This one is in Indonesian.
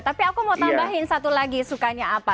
tapi aku mau tambahin satu lagi sukanya apa